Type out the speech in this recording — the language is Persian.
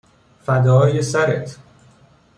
فدای سرت